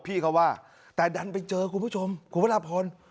พี่เขาว่าแต่ดันไปเจอคุณผู้ชมคุณพระราพร